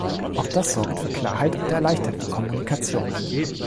Auch das sorgt für Klarheit und erleichtert die Kommunikation.